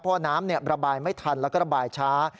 เพราะน้ำระบายไม่ทันแล้วก็ระบายช้า